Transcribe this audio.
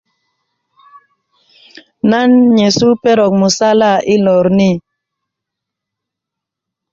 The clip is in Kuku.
nan nyesu perok musala i lor ni